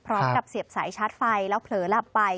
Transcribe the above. พร้อมกับเสียบสายชาร์จไฟแล้วเผลอหลับไป